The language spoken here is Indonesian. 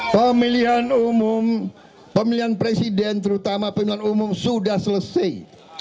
pemilihan umum pemilihan presiden terutama pemilihan umum sudah selesai